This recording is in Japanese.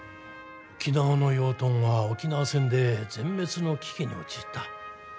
沖縄の養豚は沖縄戦で全滅の危機に陥った。